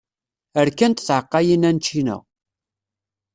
Rkant tεeqqayin-a n ččina.